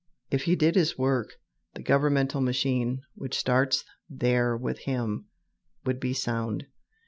If he did his work, the governmental machine, which starts there with him, would be sound.